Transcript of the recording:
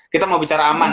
kita mau bicara aman